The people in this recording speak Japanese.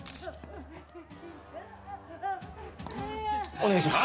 お願いします。